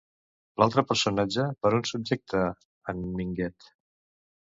L'altre personatge per on subjecta en Minguet?